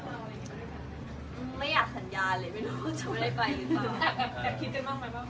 แต่คิดด้วยมากมายบ้างว่าอยากจะไปด้วยกันไหม